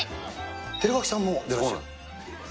寺脇さんも出てらっしゃる？